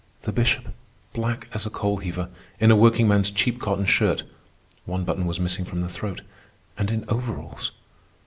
The Bishop, black as a coal heaver, in a workingman's cheap cotton shirt (one button was missing from the throat), and in overalls!